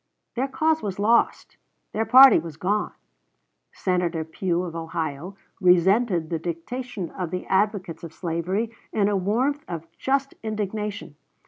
Their cause was lost their party was gone. Senator Pugh, of Ohio, resented the dictation of the advocates of slavery in a warmth of just indignation.